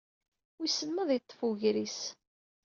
Wissen ma ad yeṭṭef wegris?